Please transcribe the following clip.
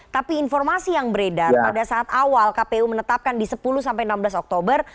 tapi informasi yang beredar pada saat awal kpu menetapkan di sepuluh sampai enam belas oktober